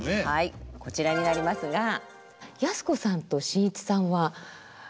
はいこちらになりますが靖子さんと震一さんは？